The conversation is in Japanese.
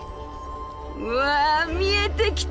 わあ見えてきた！